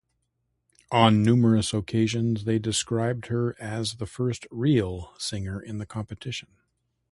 On numerous occasions they described her as, "the first "real" singer in the competition".